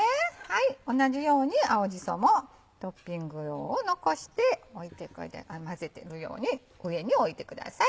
同じように青じそもトッピング用を残しておいてこうやって混ぜてく用に上に置いてください。